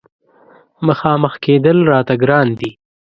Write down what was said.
مخامخ کېدل راته ګرانه دي.